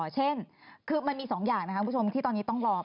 เช่นคือมันมี๒อย่างนะครับคุณผู้ชมที่ตอนนี้ต้องรอ